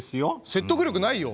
説得力ないよ。